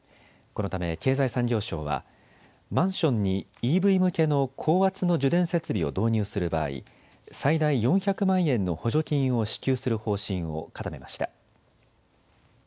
このため経済産業省はマンションにＥＶ向けの高圧の受電設備を導入する場合、最大４００万円の補助金を支給する方針を固めました。